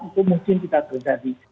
itu mungkin tidak terjadi